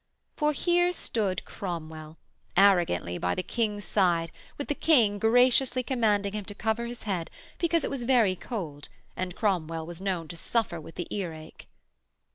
For here stood Cromwell, arrogantly by the King's side with the King graciously commanding him to cover his head because it was very cold and Cromwell was known to suffer with the earache.